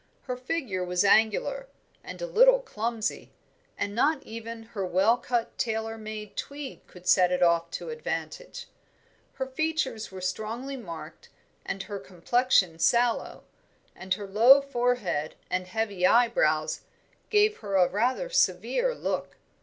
Her figure was angular, and a little clumsy, and not even her well cut tailor made tweed could set it off to advantage. Her features were strongly marked, and her complexion sallow, and her low forehead and heavy eyebrows gave her rather a severe look.